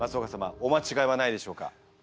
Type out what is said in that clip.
おまちがいはないでしょうか？